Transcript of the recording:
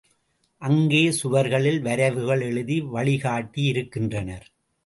அங்கே சுவர்களில் வரைவுகள் எழுதி வழிகாட்டி இருக்கின்றனர்.